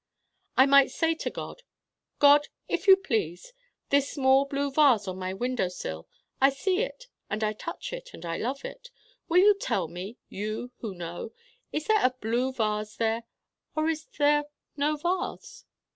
I might say to God: 'God, if you please, this small blue vase on my window sill I see it and I touch it and I love it will you tell me, you who know, is there a blue vase there or is there no vase?